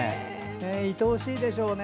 愛おしいでしょうね。